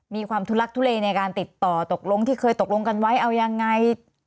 ทุลักทุเลในการติดต่อตกลงที่เคยตกลงกันไว้เอายังไง